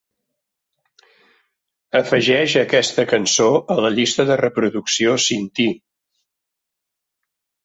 Afegeix aquesta cançó a la llista de reproducció "Sin Ti".